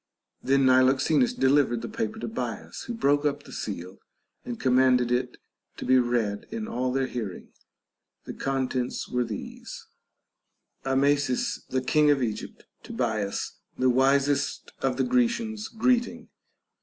Then Niloxenus delivered the paper to Bias, who broke up the seal and commanded it to be read in all their hear ing. The contents were these :— Amasis the king of Egypt, to Bias, the wisest of the Grecians, greeting.